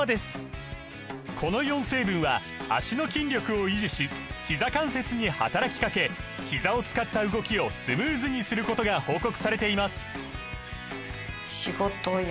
この４成分は脚の筋力を維持しひざ関節に働きかけひざを使った動きをスムーズにすることが報告されています